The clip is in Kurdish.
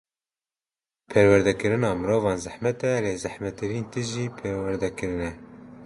Perwerdekirina mirovan zehmet e, lê zehmettirîn tişt jî xweperwerdekirin e.